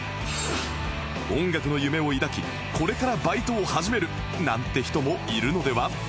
音楽の夢を抱きこれからバイトを始めるなんて人もいるのでは？